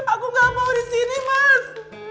aku gak mau disini mas